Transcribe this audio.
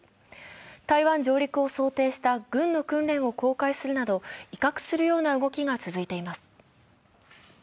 台湾上陸を想定した軍の訓練を公開するなど威嚇するような動きが続いています。